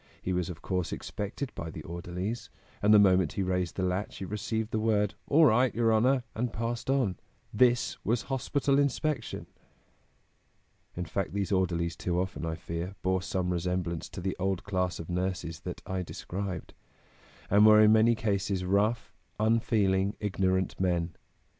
He was of course expected by the orderlies, and the moment he raised the latch he received the word: 'All right, your honor!' and passed on. This was hospital inspection!" In fact, these orderlies too often, I fear, bore some resemblance to the old class of nurses that I described, and were in many cases rough, unfeeling, ignorant men.